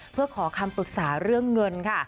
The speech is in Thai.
เพื่อขอคำปรึกษาเรื่องเงินค่ะ